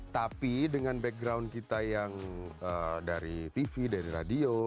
tapi dengan background kita yang dari tv dari radio